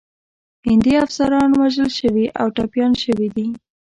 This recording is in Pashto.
هندي افسران وژل شوي او ټپیان شوي دي.